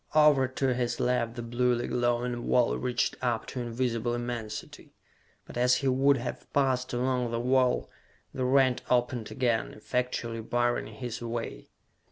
Over to his left the bluely glowing wall reached up to invisible immensity. But as he would have passed along the wall, the rent opened again, effectually barring his way.